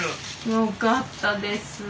よかったです。